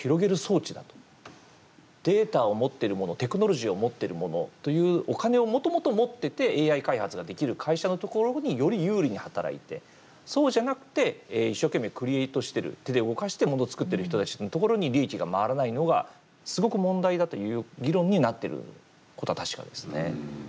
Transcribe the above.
データを持っている者テクノロジーを持っている者というお金をもともと持っててＡＩ開発ができる会社のところにより有利に働いてそうじゃなくて一生懸命クリエートしてる手で動かしてモノをつくってる人たちのところに利益が回らないのがすごく問題だという議論になってることは確かですね。